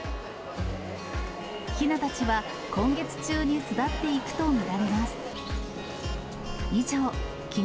ひなたちは、今月中に巣立っていくと見られます。